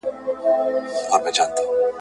یا ړنده یم زما علاج دي نه دی کړی !.